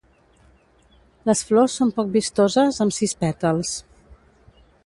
Les flors són poc vistoses amb sis pètals.